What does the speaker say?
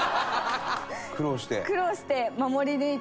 苦労して。